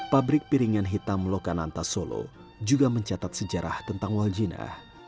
pabrik piringan hitam lokananta solo juga mencatat sejarah tentang waljina